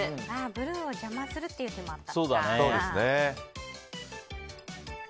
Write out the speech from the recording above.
ブルーを邪魔するっていう手もあった。